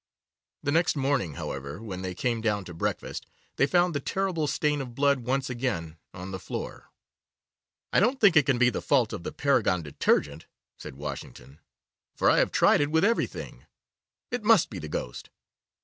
The next morning, however, when they came down to breakfast, they found the terrible stain of blood once again on the floor. 'I don't think it can be the fault of the Paragon Detergent,' said Washington, 'for I have tried it with everything. It must be the ghost.